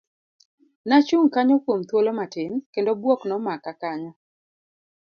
Nachung' kanyo kuom thuolo matin, kendo buok nomaka kanyo.